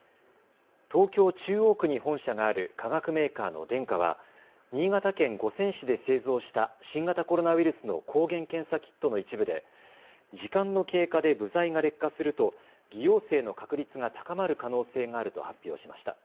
東京中央区に本社がある化学メーカーのデンカは新潟県五泉市で製造した新型コロナウイルスの抗原検査キットの一部で時間の経過で部材が劣化すると偽陽性の確率が高まる可能性があると発表しました。